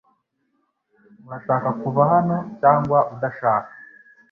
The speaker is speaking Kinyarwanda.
Urashaka kuva hano cyangwa udashaka